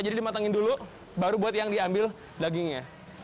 jadi kita keringin dulu baru buat yang diambil dagingnya